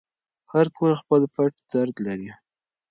هر کور خپل پټ درد لري.